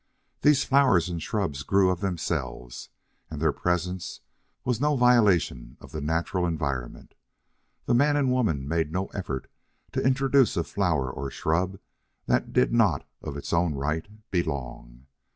These flowers and shrubs grew of themselves, and their presence was no violation of the natural environment. The man and the woman made no effort to introduce a flower or shrub that did not of its own right belong.